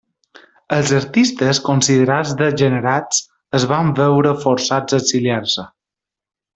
Els artistes considerats degenerats es van veure forçats a exiliar-se.